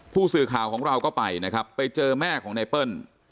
ผู้สื่อข่าวของเราก็ไปนะครับไปเจอแม่ของไนเปิ้ล